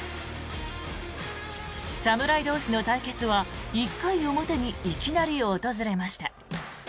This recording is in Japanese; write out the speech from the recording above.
侍同士の対決は１回表にいきなり訪れました。